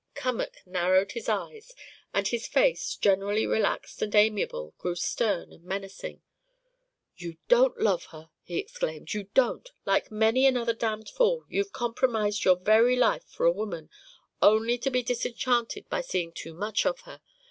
Cummack narrowed his eyes, and his face, generally relaxed and amiable, grew stern and menacing. "You don't love her!" he exclaimed. "You don't! Like many another damned fool, you've compromised your very life for a woman, only to be disenchanted by seeing too much of her.